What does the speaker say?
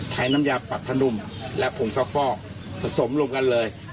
น้ำยาปรับผ้านุ่มและผงซักฟอกผสมรวมกันเลย